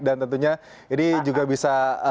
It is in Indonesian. dan tentunya ini juga bisa